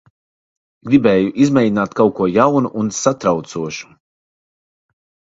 Gribēju izmēģināt kaut ko jaunu un satraucošu.